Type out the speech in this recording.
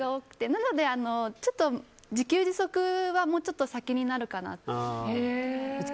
なので自給自足はもうちょっと先になるかなと。